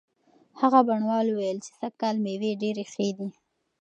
هغه بڼوال وویل چې سږکال مېوې ډېرې ښې دي.